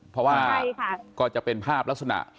เพราะว่าก็จะเป็นภาพลักษณะ